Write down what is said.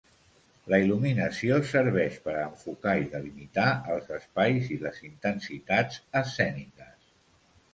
La il·luminació serveix per a enfocar i delimitar els espais i les intensitats escèniques.